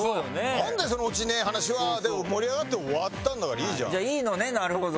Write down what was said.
「なんだよそのオチねえ話は」で盛り上がって終わったんだからいいじゃん。